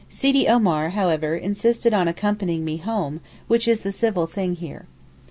Sidi Omar, however, insisted on accompanying me home, which is the civil thing here.